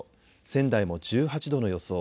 仙台も１８度の予想。